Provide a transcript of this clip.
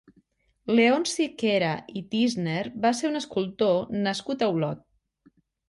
Leonci Quera i Tísner va ser un escultor nascut a Olot.